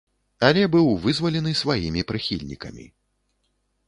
Але быў вызвалены сваімі прыхільнікамі.